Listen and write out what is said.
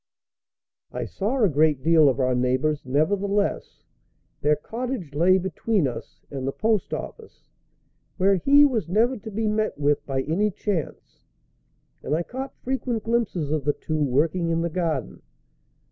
I saw a great deal of our neighbors, nevertheless. Their cottage lay between us and the post office where he was never to be met with by any chance and I caught frequent glimpses of the two working in the garden.